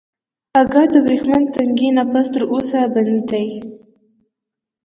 اگه د ورېښمين تنګي نه پس تر اوسه بند دی.